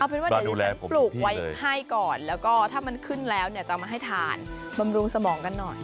เป็นว่าเดี๋ยวดิฉันปลูกไว้ให้ก่อนแล้วก็ถ้ามันขึ้นแล้วเนี่ยจะมาให้ทานบำรุงสมองกันหน่อย